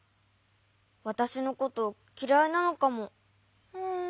わたしのこときらいなのかも。